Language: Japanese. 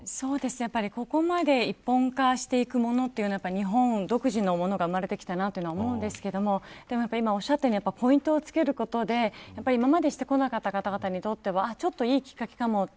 ここまで一本化していくというものは日本独自のものが生まれてきたなと思うんですけど今おっしゃったようにポイントを付けることで今までしてこなかった方々にはいいきっかけかも。